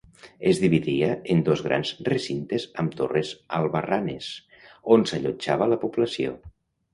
Es dividia en dos grans recintes amb torres albarranes, on s'allotjava la població.